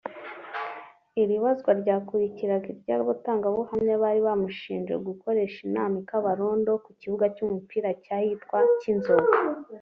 Iri bazwa ryakurikiraga iry’abatangabuhamya bari bamushinje gukoresha inama i Kabarondo ku kibuga cy’umupira cy’ahitwa Cyinzovu